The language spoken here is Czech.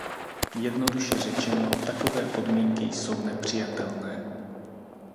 Jednoduše řečeno, takové podmínky jsou nepřijatelné.